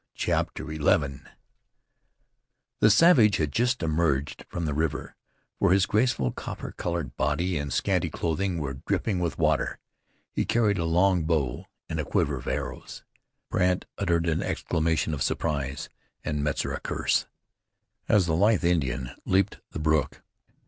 CHAPTER XI The savage had just emerged from the river, for his graceful, copper colored body and scanty clothing were dripping with water. He carried a long bow and a quiver of arrows. Brandt uttered an exclamation of surprise, and Metzar a curse, as the lithe Indian leaped the brook.